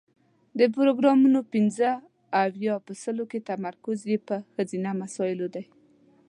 د پروګرامونو پنځه اویا په سلو کې تمرکز یې پر ښځینه مسایلو دی.